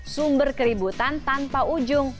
sumber keributan tanpa ujung